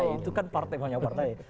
itu kan partai banyak partai